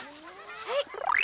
はい。